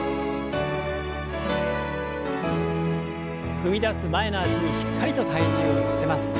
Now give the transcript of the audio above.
踏み出す前の脚にしっかりと体重を乗せます。